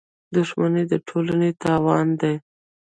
• دښمني د ټولنې تاوان دی.